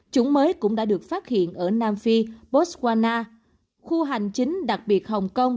chủng mới cũng đã được phát hiện ở nam phi botswana khu hành chính đặc biệt hồng kông